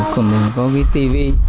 còn mình có cái tivi